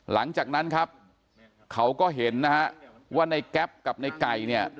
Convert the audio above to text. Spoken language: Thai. หลังจากนั้นครับเขาก็เห็นนะฮะว่าในแก๊ปกับในไก่เนี่ย